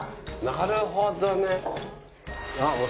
なるほどね！